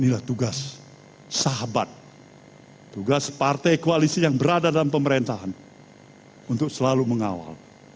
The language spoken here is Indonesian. inilah tugas sahabat tugas partai koalisi yang berada dalam pemerintahan untuk selalu mengawal